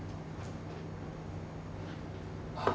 ああ。